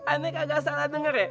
ane kagak salah denger ya